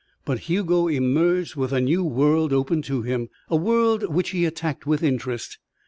But Hugo emerged with a new world open to him a world which he attacked with interest.